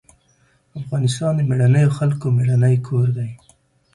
افغانستان د مېړنيو خلکو مېړنی کور دی.